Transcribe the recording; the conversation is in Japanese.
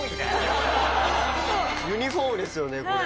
ユニフォームですよねこれ。